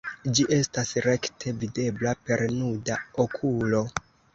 Ĝi estas rekte videbla per nuda okulo.